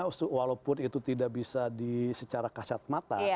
karena walaupun itu tidak bisa di secara kasat mata